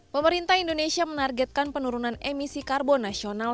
pemerintah indonesia menargetkan penurunan emisi karbon nasional